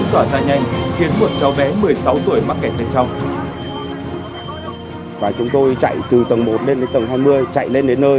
khiến một cháu bé một mươi sáu tuổi mắc kẹt bên trong chúng tôi chạy từ tầng một đến tầng hai mươi chạy lên đến nơi